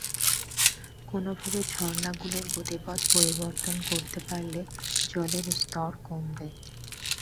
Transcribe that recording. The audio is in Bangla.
কোনোভাবে ঝর্ণাগুলোর গতিপথ পরিবর্তন করতে পারলে, জলের স্তর কমবে।